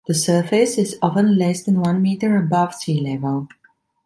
The surface is often less than one metre above sea level.